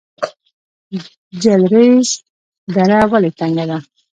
جلریز دره ولې تنګه ده؟